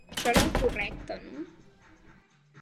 Això era correcte, no?